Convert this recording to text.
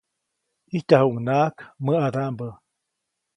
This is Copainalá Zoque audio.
ʼIjtyajuʼuŋnaʼak mäʼadaʼmbä.